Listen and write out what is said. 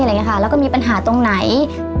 แล้วก็มีปัญหาตรงไหน